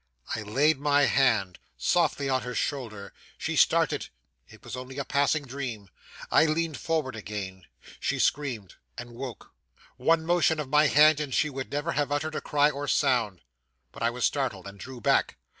I laid my hand softly on her shoulder. She started it was only a passing dream. I leaned forward again. She screamed, and woke. 'One motion of my hand, and she would never again have uttered cry or sound. But I was startled, and drew back.